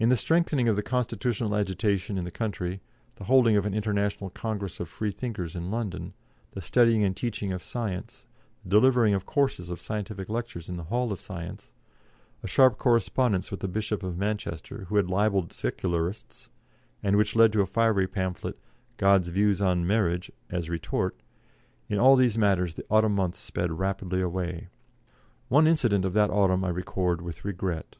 In the strengthening of the constitutional agitation in the country, the holding of an International Congress of Freethinkers in London, the studying and teaching of science, the delivering of courses of scientific lectures in the Hall of Science, a sharp correspondence with the Bishop of Manchester, who had libelled Secularists, and which led to a fiery pamphlet, "God's Views on Marriage," as retort in all these matters the autumn months sped rapidly away. One incident of that autumn I record with regret.